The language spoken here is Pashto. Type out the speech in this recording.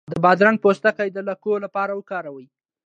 د بادرنګ پوستکی د لکو لپاره وکاروئ